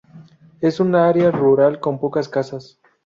Es un área rural con pocas casas.